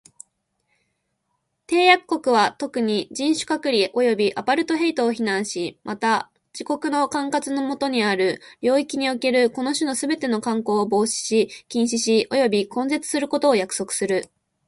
締約国は、特に、人種隔離及びアパルトヘイトを非難し、また、自国の管轄の下にある領域におけるこの種のすべての慣行を防止し、禁止し及び根絶することを約束する。